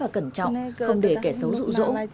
cẩn trọng không để kẻ xấu rụ rỗ